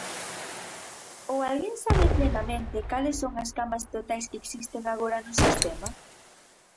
¿Ou alguén sabe plenamente cales son as camas totais que existen agora no sistema?